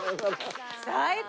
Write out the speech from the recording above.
最高！